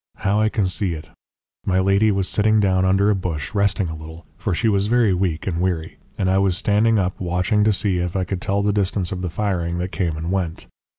How I can see it! My lady was sitting down under a bush, resting a little, for she was very weak and weary, and I was standing up watching to see if I could tell the distance of the firing that came and went.